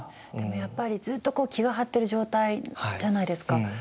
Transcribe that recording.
でもやっぱりずっと気が張ってる状態じゃないですか。